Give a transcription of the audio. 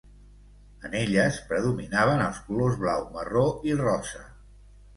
En elles predominaven els colors blau, marró i rosa.